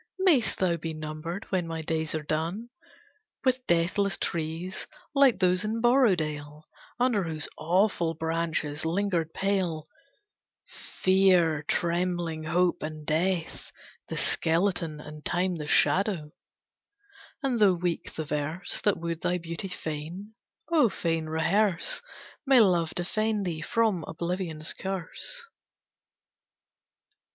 Mayst thou be numbered when my days are done With deathless trees like those in Borrowdale, Under whose awful branches lingered pale "Fear, trembling Hope, and Death, the skeleton, And Time the shadow;" and though weak the verse That would thy beauty fain, oh fain rehearse, May Love defend thee from Oblivion's curse.